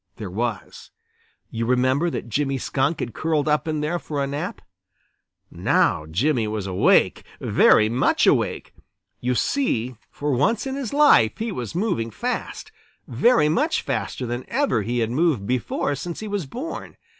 There was. You remember that Jimmy Skunk had curled up in there for a nap. Now Jimmy was awake, very much awake. You see, for once in his life he was moving fast, very much faster than ever he had moved before since he was born.